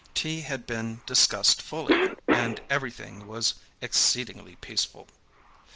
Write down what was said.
Tea had been discussed fully, and everything was exceedingly peaceful.